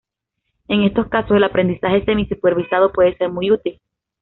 En estos casos, el aprendizaje semi-supervisado puede ser muy útil.